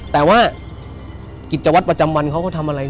แต่ว่ากิจวัตรประจำวันเขาก็ทำอะไร